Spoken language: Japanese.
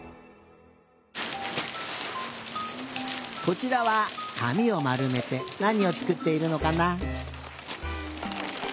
こちらはかみをまるめてなにをつくっているのかな？